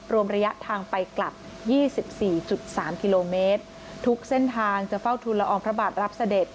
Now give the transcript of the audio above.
รวมระยะทางไปกลับ๒๔๓กิโลเมตรทุกเส้นทางจะเฝ้าทุนละอองพระบาทรับเสด็จ